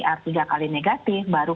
baru kemudian kita melakukan penyelenggaraan